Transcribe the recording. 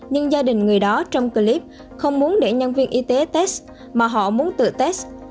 nhưng gia đình người đó trong clip không muốn để nhân viên y tế test mà họ muốn tự test